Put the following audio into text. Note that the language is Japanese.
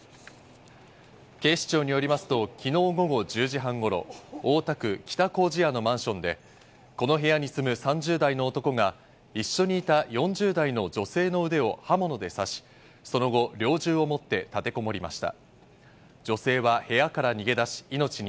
警視庁によりますと昨日午後１０時半頃、大田区北糀谷のマンションで、この部屋に住む３０代の男が一緒にいた４０代の女性の腕を刃物で刺し、その後、猟銃を持って立てこもりました。